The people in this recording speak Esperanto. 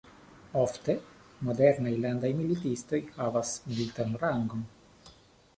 Ofte, modernaj landaj militistoj havas militan rangon.